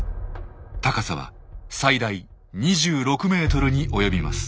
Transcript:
高さは最大２６ｍに及びます。